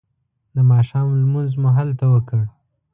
د ماښام لمونځ مو هلته وکړ.